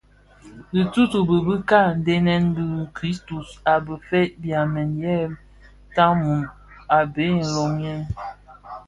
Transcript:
Dhitutubi di ka dhembèn bi- kristus a dhifeg byamèn yë tannum a bheg nloghèn.